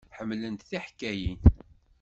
Ḥemmlent tiḥkayin.